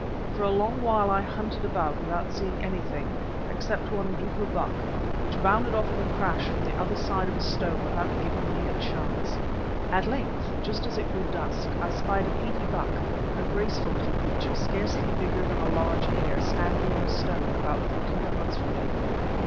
For a long while I hunted about without seeing anything, except one duiker buck, which bounded off with a crash from the other side of a stone without giving me a chance. At length, just as it grew dusk, I spied a Petie buck, a graceful little creature, scarcely bigger than a large hare, standing on a stone, about forty yards from me.